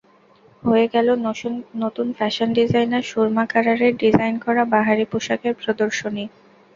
হয়ে গেল নতুন ফ্যাশন ডিজাইনার সুরমা কারারের ডিজাইন করা বাহারি পোশাকের প্রদর্শনী।